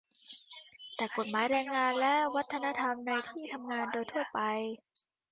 แต่กฎหมายแรงงานและวัฒนธรรมในที่ทำงานโดยทั่วไป